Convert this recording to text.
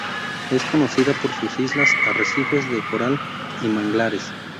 Es conocida por sus islas, arrecifes de coral y manglares.